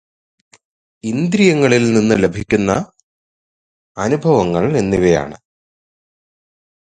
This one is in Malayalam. ഇന്ദ്രിയങ്ങളിൽ നിന്ന് ലഭിക്കുന്ന അനുഭവങ്ങൾ എന്നിവയാണ്.